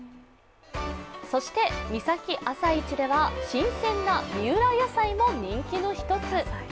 そして三崎朝市では新鮮な三浦野菜も人気の一つ。